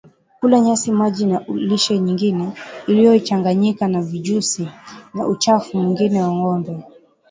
Kula nyasi maji na lishe nyingine iliyochanganyika na vijusi na uchafu mwingine wa ngombe